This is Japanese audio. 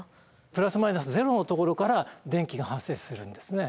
プラスマイナスゼロのところから電気が発生するんですね。